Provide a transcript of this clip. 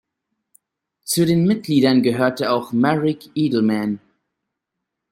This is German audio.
Zu den Mitgliedern gehörte auch Marek Edelman.